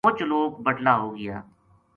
مچ لوک بَٹلا ہو گیا